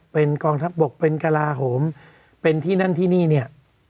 เป็นกองทัพบกเป็นกระลาโหมเป็นที่นั่นที่นี่เนี่ย